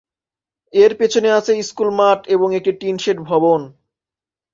এর পেছনে আছে স্কুল মাঠ এবং একটি টিনশেড ভবন।